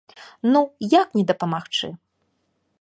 Ну, як не дапамагчы?